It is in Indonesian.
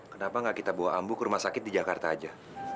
kenapa nggak kita bawa ambu ke rumah sakit di jakarta aja